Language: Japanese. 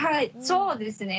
そうですね。